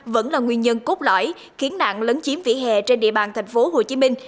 vẫn là nguyên nhân cốt lõi khiến nạn lấn chiếm vỉa hè trên địa bàn thành phố hồ chí minh